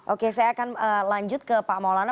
oke saya akan lanjut ke pak maulana